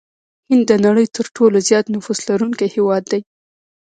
هند د نړۍ ترټولو زيات نفوس لرونکي هېواد دي.